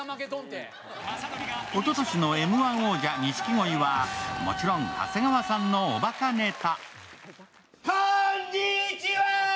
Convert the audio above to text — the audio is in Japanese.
おととしのＭ−１王者、錦鯉はもちろん長谷川さんのおばかネタ。